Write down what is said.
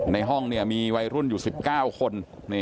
ในห้องมีวัยรุ่นอยู่๑๙คน